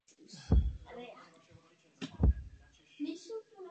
Nárůst povinného odlišení je jednoduše rukou v kapsách evropských zemědělců.